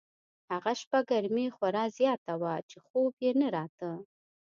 هغه شپه ګرمي خورا زیاته وه چې خوب یې نه راته.